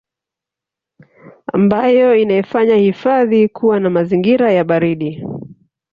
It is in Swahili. ambayo inaifanya hifadhi kuwa na mazingira ya baridi